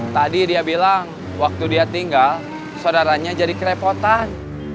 tadi dia bilang waktu dia tinggal saudaranya jadi kerepotan